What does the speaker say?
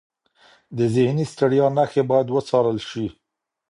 د ذهني ستړیا نښې باید وڅارل شي.